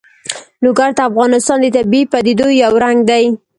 لوگر د افغانستان د طبیعي پدیدو یو رنګ دی.